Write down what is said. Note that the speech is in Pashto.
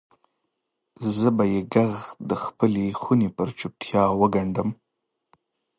زه به یې ږغ دخپلې خونې پر چوپتیا وګنډم